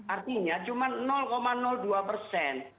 artinya cuma dua persen